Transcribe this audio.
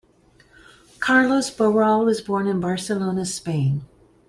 Carlos Barral was born in Barcelona, Spain.